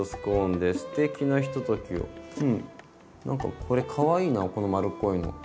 なんかこれかわいいなこの丸っこいの。